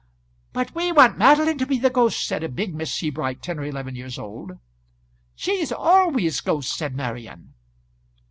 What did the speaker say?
"But we want Madeline to be the ghost," said a big Miss Sebright, ten or eleven years old. "She's always ghost," said Marian.